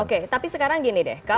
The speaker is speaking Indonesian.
oke tapi sekarang gini deh